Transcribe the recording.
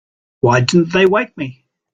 Why didn't they wake me?